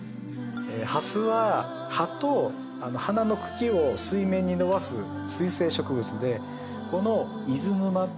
ハスは葉と花の茎を水面に伸ばす水生植物でこの。